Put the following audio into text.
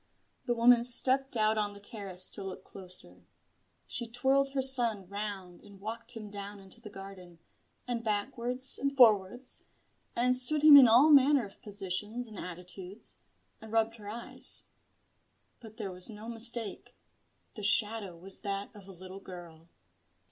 The woman stepped out on the terrace to look closer. She twirled her son round and walked him down into the garden, and backwards and forwards, and stood him in all manner of positions and attitudes, and rubbed her eyes. But there was no mistake: the shadow was that of a little girl.